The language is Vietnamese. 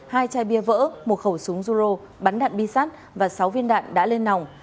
hai chai bia vỡ một khẩu súng ruro bắn đạn bi sát và sáu viên đạn đã lên nòng